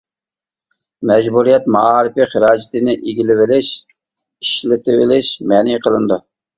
مەجبۇرىيەت مائارىپى خىراجىتىنى ئىگىلىۋېلىش، ئىشلىتىۋېلىش مەنئى قىلىنىدۇ.